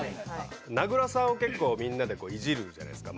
名倉さんを結構みんなでいじるじゃないですか。